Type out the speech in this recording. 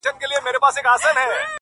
نوره خندا نه کړم زړگيه” ستا خبر نه راځي”